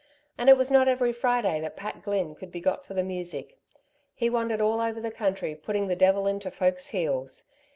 And it was not every Friday that Pat Glynn could be got for the music. He wandered all over the country putting the devil into folks' heels.